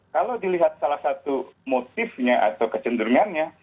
kalau dilihat salah satu motifnya atau kecenderungannya